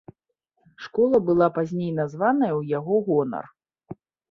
Школа была пазней названая ў яго гонар.